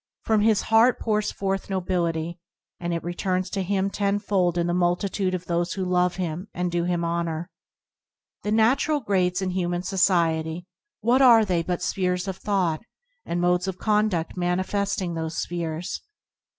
From his heart pours forth nobility, and it returns to him tenfold in the multitude of those who love him and do him honour. The natural grades in human society — what are they but spheres of thought, and modes of condudt manifesting those spheres